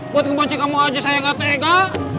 buat kunci kamu aja saya gak tega